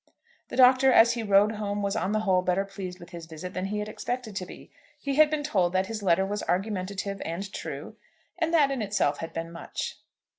The Doctor, as he rode home, was, on the whole, better pleased with his visit than he had expected to be. He had been told that his letter was argumentative and true, and that in itself had been much.